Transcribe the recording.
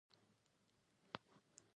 د پسرلي لومړنۍ ورځې یو بې ساری خوند لري.